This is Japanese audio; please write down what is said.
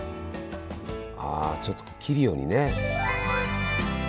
あちょっと切るようにね。